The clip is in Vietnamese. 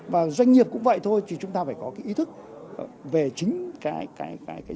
và doanh nghiệp cũng vậy thôi chúng ta phải có ý thức về chính cái dữ liệu